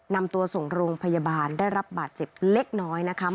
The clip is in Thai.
นำตัวส่งโรงพยาบาลได้รับบาดเจ็บเล็กน้อยนะคะ